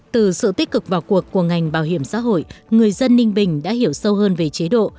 từ sự tích cực vào cuộc của ngành bảo hiểm xã hội người dân ninh bình đã hiểu sâu hơn về chế độ